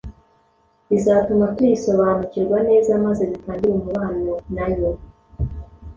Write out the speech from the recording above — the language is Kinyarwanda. bizatuma tuyisobanukirwa neza maze dutangire umubano na Yo